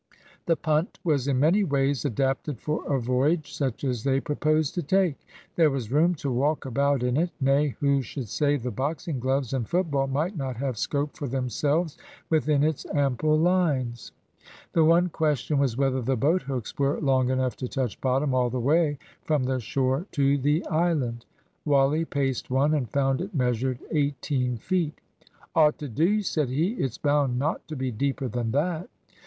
The punt was in many ways adapted for a voyage such as they proposed to take. There was room to walk about in it. Nay, who should say the boxing gloves and football might not have scope for themselves within its ample lines? The one question was whether the boat hooks were long enough to touch bottom all the way from the shore to the island. Wally paced one, and found it measured eighteen feet. "Ought to do," said he; "it's bound not to be deeper than that."